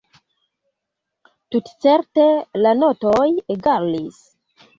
Tutcerte, la notoj egalis.